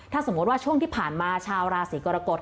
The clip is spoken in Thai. ถ้าสมมุติว่าช่วงที่ผ่านมาชาวราศีกรกฎ